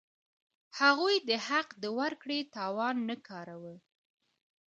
هغوی د حق د ورکړې توان نه کاراوه.